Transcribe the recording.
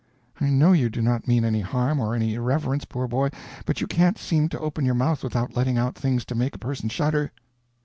I know you do not mean any harm or any irreverence, poor boy, but you can't seem to open your mouth without letting out things to make a person shudder.